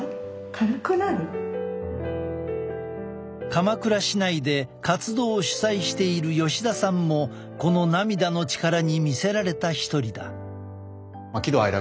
鎌倉市内で活動を主催している吉田さんもこの涙の力に魅せられた一人だ。